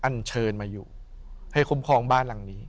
อันเชิญมาอยู่ให้คุ้มครองบ้านหลังนี้